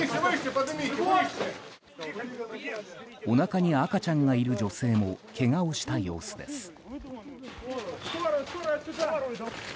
おなかに赤ちゃんがいる女性もけがをした様子です。